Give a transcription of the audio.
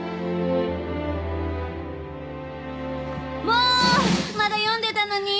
・もうまだ読んでたのに。